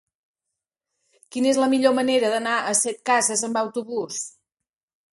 Quina és la millor manera d'anar a Setcases amb autobús?